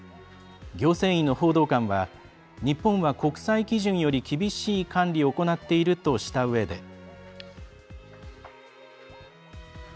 行政院の報道官は日本は国際基準より厳しい管理を行っているとしたうえで。